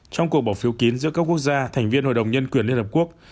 trong cuộc bỏ phiếu kín giữa các quốc gia thành viên hội đồng nhân quyền liên hợp quốc